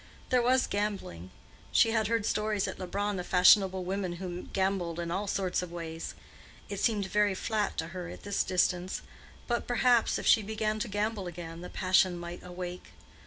There was gambling: she had heard stories at Leubronn of fashionable women who gambled in all sorts of ways. It seemed very flat to her at this distance, but perhaps if she began to gamble again, the passion might awake.